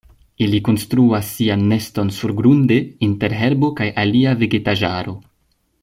Ili konstruas sian neston surgrunde inter herbo kaj alia vegetaĵaro.